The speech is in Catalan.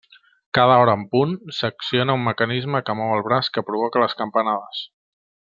Cada hora en punt s'acciona un mecanisme que mou el braç que provoca les campanades.